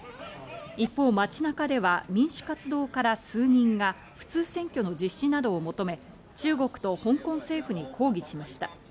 一方、街中では民主活動家ら数人が普通選挙の実施などを求め、中国と香港政府に抗議しました。